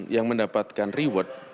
yang mendapatkan reward